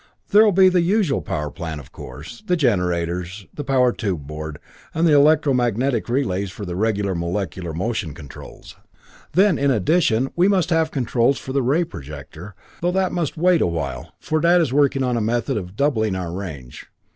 There will be the usual power plant, of course; the generators, the power tube board, and the electro magnetic relays for the regular molecular motion controls. Then, in addition, we must have controls for the ray projector, though that must wait a while, for Dad is working on a method of doubling our range....